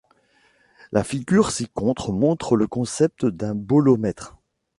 La figure ci-contre montre le concept d'un bolomètre.